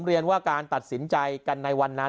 เรียนว่าการตัดสินใจกันในวันนั้น